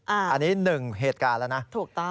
อันนี้หนึ่งเหตุการณ์แล้วนะ